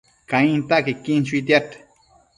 Cainta quequin chuitiad